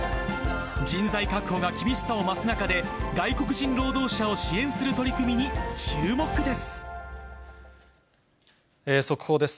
人材確保が厳しさを増す中で、外国人労働者を支援する取り組み速報です。